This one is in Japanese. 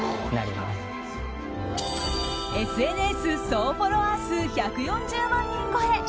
ＳＮＳ総フォロワー数１４０万人超え。